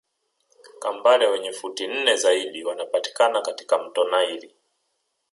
Kambale wenye futi nne zaidi wanapatikana katika mto naili